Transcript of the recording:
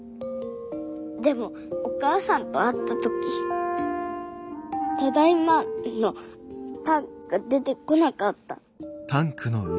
でもお母さんと会った時ただいまの「た」が出てこなかった。